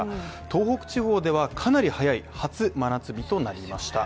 東北地方ではかなり早い初真夏日となりました